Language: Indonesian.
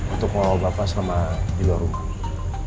untuk mau bawa bapak selama di luar rumah